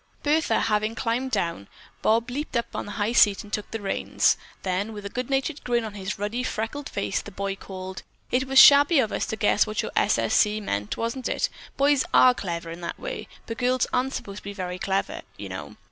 Bertha, having climbed down, Bob leaped up on the high seat and took the reins, then with a good natured grin on his ruddy, freckled face, the boy called: "It was shabby of us to guess what your S. S. C. meant, wasn't it? Boys are clever that way, but girls aren't supposed to be very clever, you know.